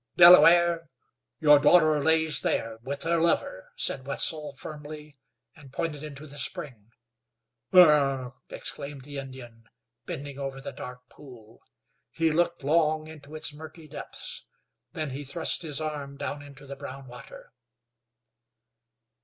"Delaware, your daughter lays there, with her lover," said Wetzel firmly, and pointed into the spring. "Ugh!" exclaimed the Indian, bending over the dark pool. He looked long into its murky depths. Then he thrust his arm down into the brown water.